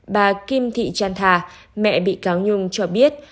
bà kim thị chăn thà mẹ bị cáo nhung cho biết